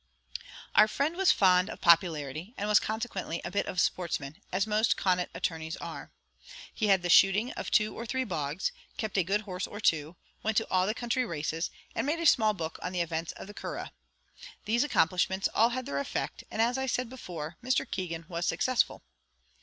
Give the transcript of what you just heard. Our friend was fond of popularity, and was consequently a bit of a sportsman, as most Connaught attorneys are. He had the shooting of two or three bogs, kept a good horse or two, went to all the country races, and made a small book on the events of the Curragh. These accomplishments all had their effect, and as I said before, Mr. Keegan was successful.